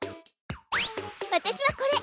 私はこれ！